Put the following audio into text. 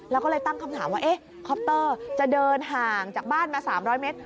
แล้วก็เลยตั้งคำถามว่าคอปเตอร์จะเดินห่างจากบ้านมา๓๐๐เมตร